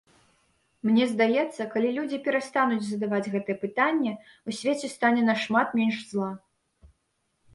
Мне здаецца, калі людзі перастануць задаваць гэтае пытанне, у свеце стане нашмат менш зла.